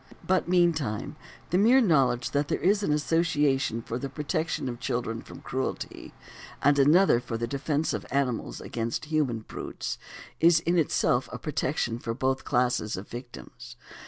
But meantime the mere knowledge that there is an association for the protection of children from cruelty, and another for the defence of animals against human brutes, is in itself a protection for both classes of victims.